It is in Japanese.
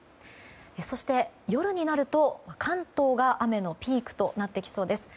そして夜になると、関東が雨のピークとなってきそうです。